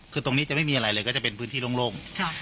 คือตรงนี้จะไม่มีอะไรเลยก็จะเป็นพื้นที่โล่ง